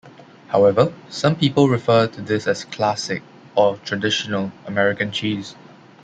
Hence, some people refer to this as "classic" or "traditional" American cheese.